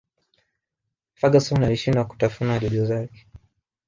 ferguson alishindwa kutafuna jojo zake